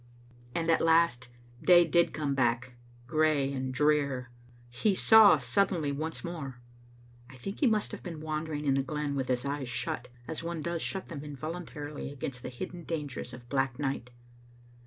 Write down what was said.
And at last day did come back, gray and drear. He saw suddenly once more. I think he must have been wandering the glen with his eyes shut, as one does shut them involuntarily against the hidden dangers of black night.